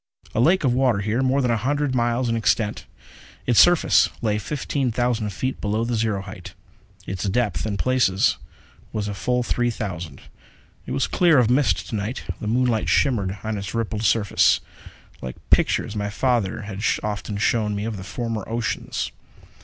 A lake of water here, more than a hundred miles in extent. Its surface lay fifteen thousand feet below the zero height; its depth in places was a full three thousand. It was clear of mist to night. The moonlight shimmered on its rippled surface, like pictures my father had often shown me of the former oceans.